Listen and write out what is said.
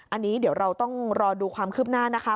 อันนี้เดี๋ยวเราต้องรอดูความคืบหน้านะคะ